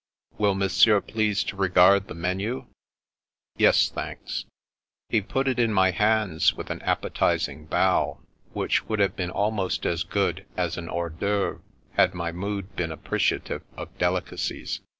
" Will Monsieur please to regard the menu ?"" Yes, thanks." He put it in my hand with an appetizing bow, which would have been almost as good as an hars d'omvre had my mood been appreciative of del icacies.